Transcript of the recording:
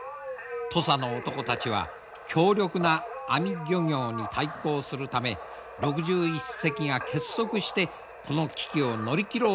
土佐の男たちは強力な網漁業に対抗するため６１隻が結束してこの危機を乗り切ろうとしているのだ。